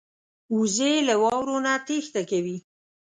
وزې له واورو نه تېښته کوي